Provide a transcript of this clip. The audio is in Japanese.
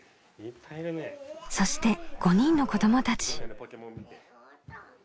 そして５人の子どもたち。